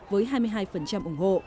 với hai mươi hai ủng hộ